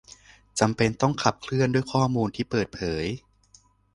จำเป็นต้องขับเคลื่อนด้วยข้อมูลที่เปิดเผย